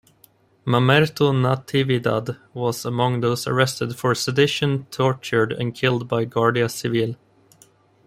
Mamerto Natividad was among those arrested for sedition, tortured and killed by guardia civil.